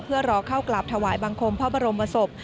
เพื่อรอเข้ากราบถวายบังคมพระบรมศพ